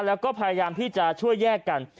แล้วก็พยายามที่จะช่วยแยกกัน